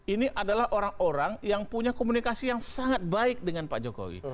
ini adalah orang orang yang punya komunikasi yang sangat baik dengan pak jokowi